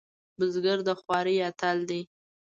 بزګر د خوارۍ اتل دی